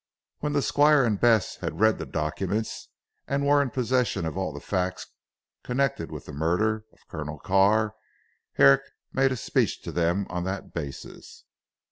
When the Squire and Bess had read the documents, and were in possession of all the facts connected with the murder of Colonel Carr, Herrick made a speech to them on that basis.